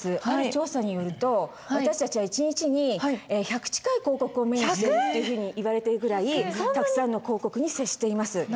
ある調査によると私たちは１日に１００近い広告を目にしているっていうふうにいわれているぐらいたくさんの広告に接しています。